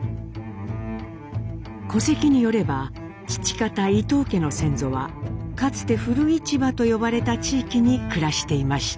戸籍によれば父方伊藤家の先祖はかつて古市場と呼ばれた地域に暮らしていました。